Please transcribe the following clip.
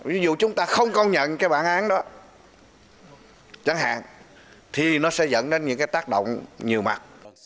ví dụ chúng ta không công nhận cái bản án đó chẳng hạn thì nó sẽ dẫn đến những cái tác động nhiều mặt